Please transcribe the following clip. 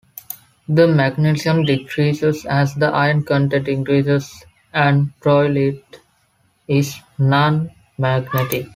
The magnetism decreases as the iron content increases, and troilite is non-magnetic.